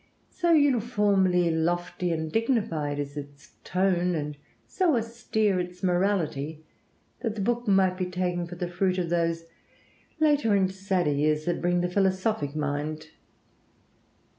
So uniformly lofty and dignified is its tone, and so austere its morality, that the book might be taken for the fruit of those later and sadder years that bring the philosophic mind.